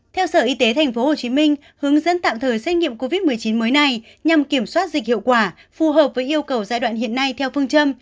theo sở y tế tp hcm hướng dẫn tạm thời xét nghiệm covid một mươi chín mới này nhằm kiểm soát dịch hiệu quả phù hợp với yêu cầu giai đoạn hiện nay theo phương châm